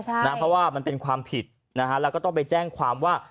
เพราะว่ามันเป็นความผิดนะฮะแล้วก็ต้องไปแจ้งความว่า